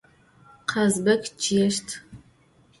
Kazbek ççıêşt.